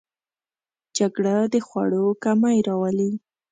جګړه د خوړو کمی راولي